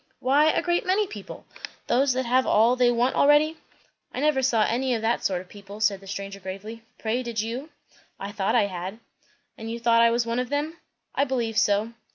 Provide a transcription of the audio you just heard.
"Why, a great many people. Those that have all they want already." "I never saw any of that sort of people," said the stranger gravely. "Pray, did you?" "I thought I had." "And you thought I was one of them?" "I believe so."